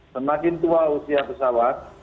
semakin tua usia pesawat